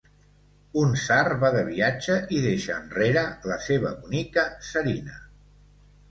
Un tsar va de viatge i deixa enrere la seva bonica tsarina.